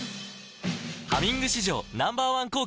「ハミング」史上Ｎｏ．１抗菌